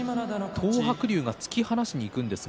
東白龍、突き放しにいきました。